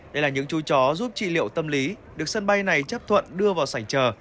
đây là những chú chó giúp trị liệu tâm lý được sân bay này chấp thuận đưa vào sảnh chờ